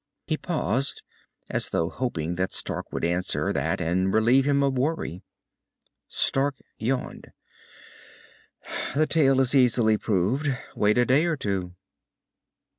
He paused, as though hoping that Stark would answer that and relieve him of worry. Stark yawned. "The tale is easily proved. Wait a day or two."